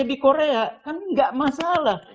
di korea kan nggak masalah